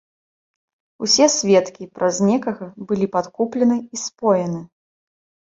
Усе сведкі праз некага былі падкуплены і споены.